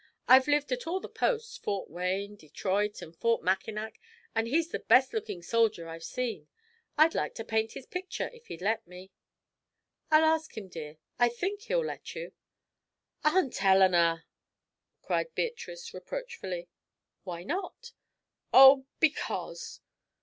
"I've lived at all the posts Fort Wayne, Detroit, and Fort Mackinac, and he's the best looking soldier I've seen. I'd like to paint his picture, if he'd let me." "I'll ask him, dear; I think he'll let you." "Aunt Eleanor!" cried Beatrice, reproachfully. "Why not?" "Oh because.